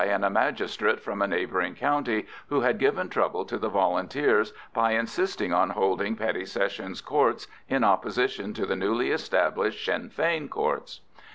and a magistrate from a neighbouring county, who had given trouble to the Volunteers by insisting on holding Petty Sessions Courts in opposition to the newly established Sinn Fein Courts.